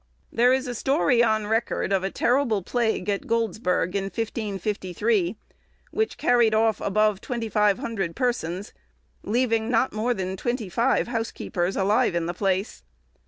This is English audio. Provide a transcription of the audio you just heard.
There is a story on record, of a terrible plague at Goldsberg, in 1553, which carried off above 2500 persons, leaving not more than twenty five housekeepers alive in the place.